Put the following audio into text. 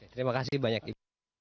terima kasih banyak ibu